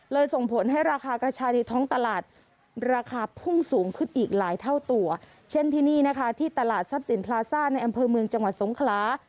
ส่งผลให้ราคากระชายในท้องตลาดราคาพุ่งสูงขึ้นอีกหลายเท่าตัวเช่นที่นี่นะคะที่ตลาดทรัพย์สินพลาซ่าในอำเภอเมืองจังหวัดสงขลา